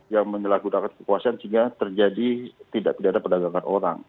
yang menyelaku kekuasaan sehingga terjadi tidak ada perdagangan orang